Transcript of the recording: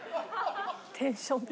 テンション高っ！